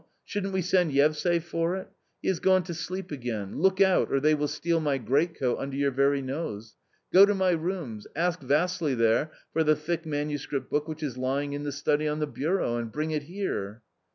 Shouldn't we send Yevsay for it ? He has gone to sleep again; look out or they will steal my greatcoat under your very nose ! Go to my rooms, ask Vassily there for the thick manuscript book which is lying in the study on the bureau, and bring it here